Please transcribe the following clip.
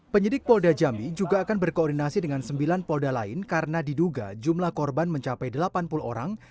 penyidik polda jambi juga akan berkoordinasi dengan sembilan polda lain karena diduga jumlah korban mencapai delapan puluh orang